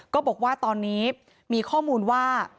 ก็บอกว่าตอนนี้มีข้อมูลว่า